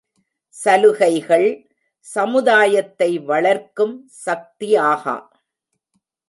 சலுகைகள் சமுதாயத்தை வளர்க்கும் சக்தியாகா.